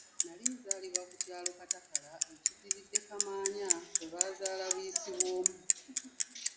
Nali nzaalibwa ku ku kyalo Katakala ekiddiridde Kimaanya kwe bazaala Buyisibwomu.